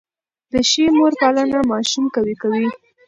د ښې مور پالنه ماشوم قوي کوي.